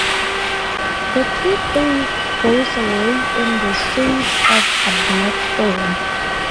The toothache goes away in the shape of a black stone.